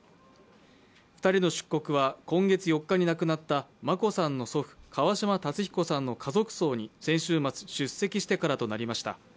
２人の出国は今月４日に亡くなった眞子さんの祖父・川嶋辰彦さんの家族葬に先週末、出席してからとなりました